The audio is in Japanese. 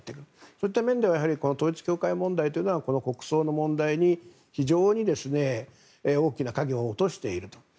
そういった面では統一教会問題というのはこの国葬の問題に非常に大きな影を落としているという。